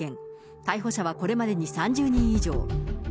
逮捕者はこれまでに３０人以上。